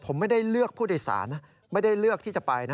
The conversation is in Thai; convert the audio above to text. ผมไม่ได้เลือกผู้โดยสารนะไม่ได้เลือกที่จะไปนะ